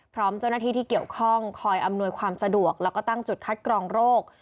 พร้อมเจ้าหน้าที่ที่เกี่ยวข้องคอยอำนวยความสะดวกแล้วก็ตั้งจุดคัดกรองโรค